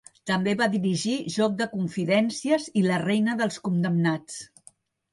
També va dirigir "Joc de confidències" i "La reina dels condemnats"